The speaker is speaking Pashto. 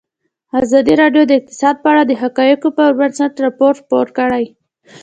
ازادي راډیو د اقتصاد په اړه د حقایقو پر بنسټ راپور خپور کړی.